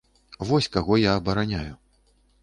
Вось каго я абараняю.